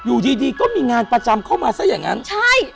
อยู่ดีดีก็มีงานประจำเข้ามาซะอย่างนั้นใช่